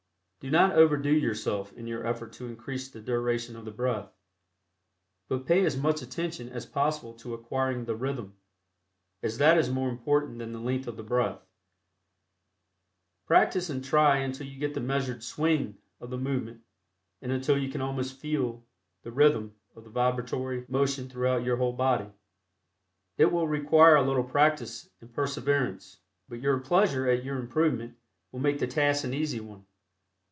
Do not overdo yourself in your effort to increase the duration of the breath, but pay as much attention as possible to acquiring the "rhythm," as that is more important than the length of the breath. Practice and try until you get the measured "swing" of the movement, and until you can almost "feel" the rhythm of the vibratory motion throughout your whole body. It will require a little practice and perseverance, but your pleasure at your improvement will make the task an easy one.